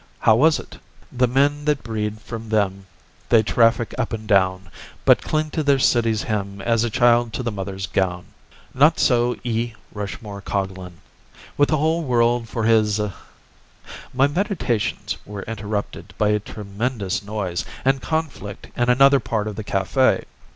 How was it? "The men that breed from them they traffic up and down, but cling to their cities' hem as a child to the mother's gown." Not so E. Rushmore Coglan. With the whole world for his— My meditations were interrupted by a tremendous noise and conflict in another part of the café.